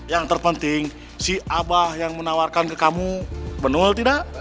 yang terpenting si abah yang menawarkan ke kamu benar tidak